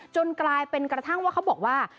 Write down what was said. กลายเป็นกระทั่งว่าเขาบอกว่า